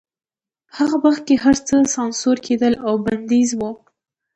په هغه وخت کې هرڅه سانسور کېدل او بندیز و